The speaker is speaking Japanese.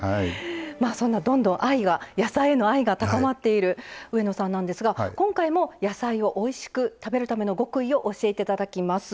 まあそんなどんどん愛が野菜への愛が高まっている上野さんなんですが今回も野菜をおいしく食べるための極意を教えて頂きます。